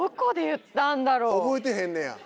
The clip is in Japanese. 覚えてへんねや？